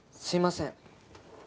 すいません。